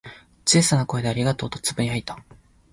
小さな声で「ありがとう」とつぶやいた。